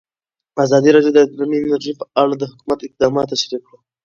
ازادي راډیو د اټومي انرژي په اړه د حکومت اقدامات تشریح کړي.